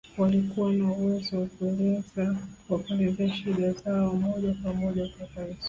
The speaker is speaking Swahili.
Walikuwa na uwezo wa kelezea shida zao moja kwa moja kwa Rais